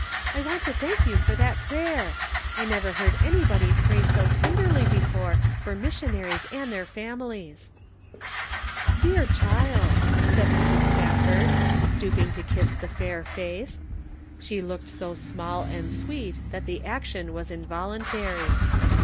I want to thank you for that prayer. I never heard anybody pray so tenderly before for missionaries and their families." Perfect Love Casteth out Fear. 201 "Dear child," said Mrs. Spafford, stooping to kiss the fair face. She looked so small and sweet that the action was involuntary.